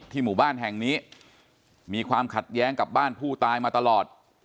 หมู่บ้านแห่งนี้มีความขัดแย้งกับบ้านผู้ตายมาตลอด